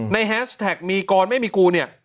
ในแฮชแท็กมีกรไม่มีกู